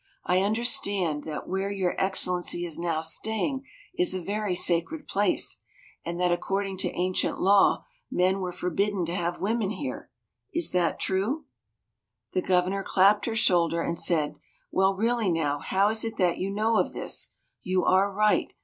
I understand that where your Excellency is now staying is a very sacred place, and that according to ancient law men were forbidden to have women here. Is that true?" The Governor clapped her shoulder, and said, "Well, really now, how is it that you know of this? You are right.